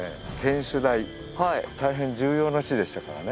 大変重要な地でしたからね。